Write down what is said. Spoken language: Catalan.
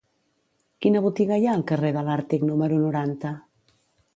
Quina botiga hi ha al carrer de l'Àrtic número noranta?